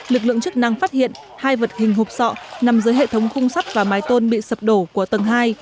lực lượng chức năng phát hiện hai vật hình hộp sọ nằm dưới hệ thống khung sắt và mái tôn bị sập đổ của tầng hai